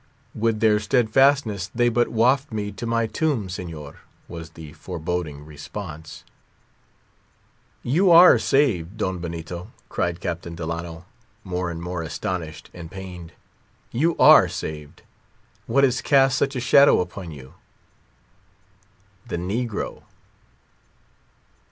"With their steadfastness they but waft me to my tomb, Señor," was the foreboding response. "You are saved," cried Captain Delano, more and more astonished and pained; "you are saved: what has cast such a shadow upon you?" "The negro."